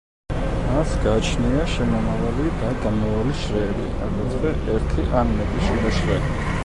მას გააჩნია შემომავალი და გამავალი შრეები, აგრეთვე ერთი ან მეტი შიდა შრე.